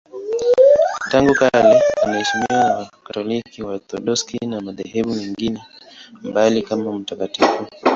Tangu kale anaheshimiwa na Wakatoliki, Waorthodoksi na madhehebu mengine mbalimbali kama mtakatifu.